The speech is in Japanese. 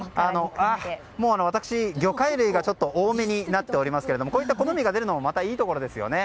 魚介類がちょっと多めになっていますがこういった好みが出るのもまたいいところですよね。